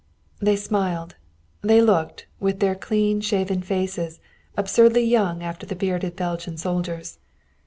They smiled. They looked, with their clean shaven faces, absurdly young after the bearded Belgian soldiers.